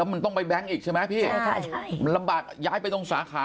มันต้องไปแบงค์อีกใช่ไหมพี่ใช่ใช่มันลำบากย้ายไปตรงสาขา